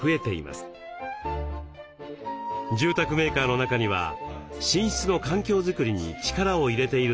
住宅メーカーの中には寝室の環境づくりに力を入れているところも現れています。